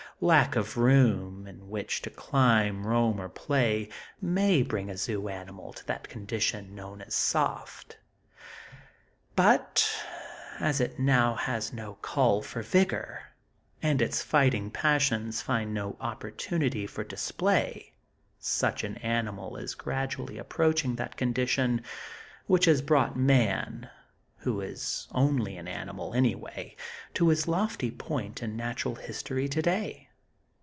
Lack of room in which to climb, roam or play, may bring a zoo animal to that condition known as "soft"; but, as it now has no call for vigor, and its fighting passions find no opportunity for display, such an animal is gradually approaching that condition which has brought Man, who is only an animal, anyway, to his lofty point in Natural History, today.